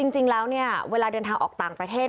จริงแล้วเนี่ยเวลาเดินทางออกต่างประเทศ